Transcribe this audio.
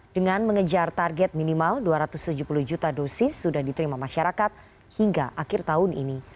dengan mengejar target minimal dua ratus tujuh puluh juta dosis sudah diterima masyarakat hingga akhir tahun ini